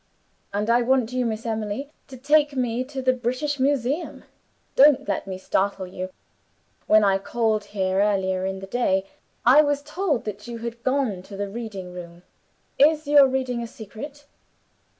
"And I want you, Miss Emily, to take me to the British Museum. Don't let me startle you! When I called here earlier in the day, I was told that you had gone to the reading room. Is your reading a secret?"